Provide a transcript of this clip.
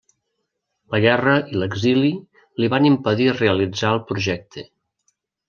La guerra i l'exili li van impedir realitzar el projecte.